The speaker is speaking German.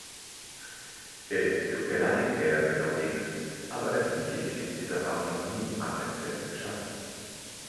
Es tut mir leid, Herr Willockx, aber öffentliche Defizite haben noch nie Arbeitsplätze geschaffen.